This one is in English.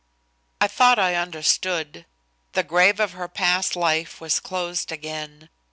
I thought I understood. The grave of her past life was closed again.